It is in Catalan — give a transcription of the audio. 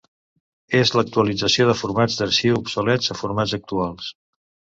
És l'actualització de formats d'arxiu obsolets a formats actuals.